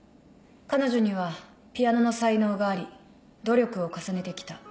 彼女にはピアノの才能があり努力を重ねてきた。